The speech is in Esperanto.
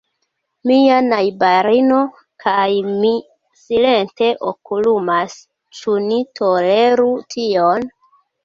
Mia najbarino kaj mi silente okulumas: ĉu ni toleru tion?